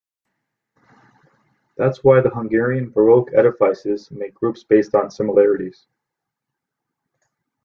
That's why the Hungarian baroque edifices make groups based on similarities.